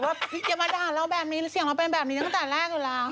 ว่าอย่ามาดาดเราแบบนี้เสียงเราเป็นแบบนี้ตั้งแต่แรกเวลา